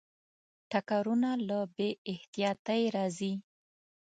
ټکرونه له بې احتیاطۍ راځي.